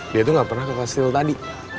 dia tuh gak pernah kekastil tadi